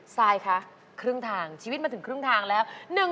ซายคะครึ่งทางชีวิตมาถึงครึ่งทางแล้ว